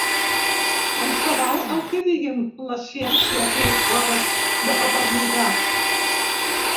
Tant se val el que diguin la ciència i les proves de paternitat.